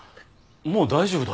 もう大丈夫だ。